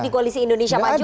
di koalisi indonesia maju